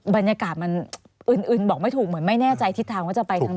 บรรยากาศมันอื่นบอกไม่ถูกเหมือนไม่แน่ใจทิศทางว่าจะไปทางไหน